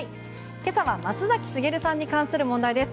今朝は松崎しげるさんに関する問題です。